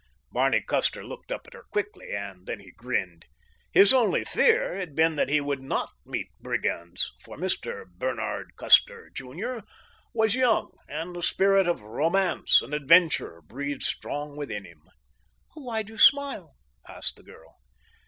Barney Custer looked up at her quickly, and then he grinned. His only fear had been that he would not meet brigands, for Mr. Bernard Custer, Jr., was young and the spirit of Romance and Adventure breathed strong within him. "Why do you smile?" asked the girl.